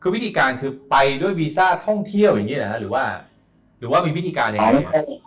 คือวิธีการคือไปด้วยวีซ่าท่องเที่ยวอย่างนี้หรือว่าหรือว่ามีวิธีการอย่างนั้น